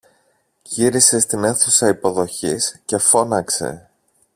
Γύρισε στην αίθουσα υποδοχής και φώναξε